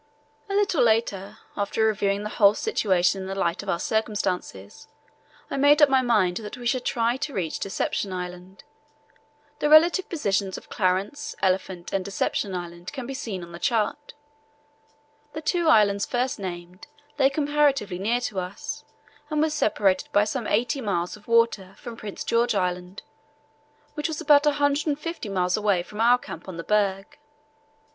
A little later, after reviewing the whole situation in the light of our circumstances, I made up my mind that we should try to reach Deception Island. The relative positions of Clarence, Elephant, and Deception Islands can be seen on the chart. The two islands first named lay comparatively near to us and were separated by some eighty miles of water from Prince George Island, which was about 150 miles away from our camp on the berg.